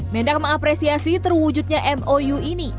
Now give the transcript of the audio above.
mendak mengapresiasi terwujudnya mou ini